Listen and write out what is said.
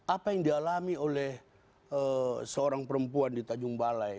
apa yang dialami oleh seorang perempuan di tanjung balai